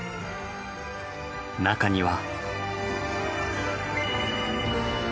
中には。